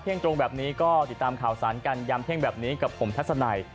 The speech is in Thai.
เที่ยงตรงแบบนี้ก็ติดตามข่าวสารกันยามเที่ยงแบบนี้กับผมทัศนัย